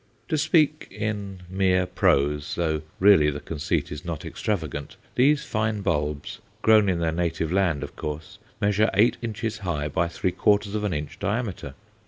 To speak in mere prose though really the conceit is not extravagant these fine bulbs, grown in their native land, of course, measure eight inches high by three quarters of an inch diameter.